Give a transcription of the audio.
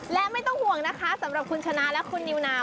และไม่ต้องห่วงนะคะสำหรับคุณชนะและคุณนิวนาว